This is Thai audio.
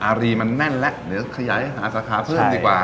อารีมันแน่นแล้วเดี๋ยวขยายหาสาขาเพิ่มดีกว่า